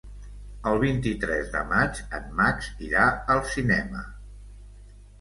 El vint-i-tres de maig en Max irà al cinema.